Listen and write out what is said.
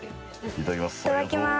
いただきます。